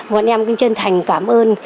bọn em chân thành cảm ơn